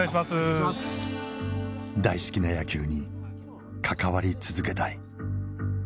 大好きな野球に関わり続けたい。